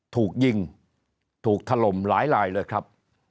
ถูกยิงถูกถล่มหลายลายเลยครับ